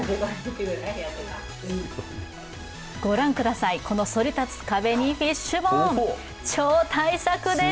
ご覧ください、このそり立つ壁に、フィッシュボーン！超大作です。